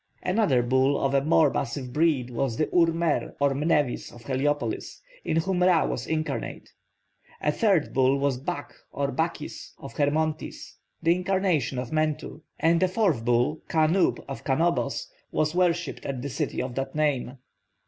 Another bull of a more massive breed was the Ur mer or Mnevis of Heliopolis, in whom Ra was incarnate. A third bull was Bakh or Bakis of Hermonthis the incarnation of Mentu. And a fourth bull, Ka nub or Kanobos, was worshipped at the city of that name.